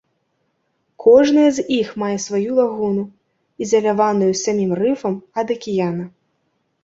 Кожная з іх мае сваю лагуну, ізаляваную самім рыфам ад акіяна.